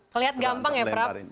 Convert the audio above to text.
kelihatan gampang ya prab